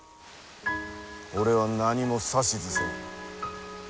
俺は何も指図せん。